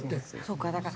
そうか。